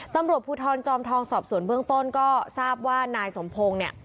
ตำรวจภูทรจอมทองสอบส่วนเบื้องต้นก็ทราบว่านายสมพงศ์เนี่ย